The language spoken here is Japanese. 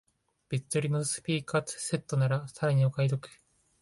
別売りのスピーカーとセットならさらにお買い得